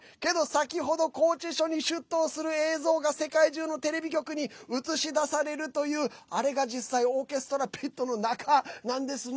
先ほど拘置所に出頭する映像が世界中のテレビに映し出されるというあれが実際にオーケストラピットの中です。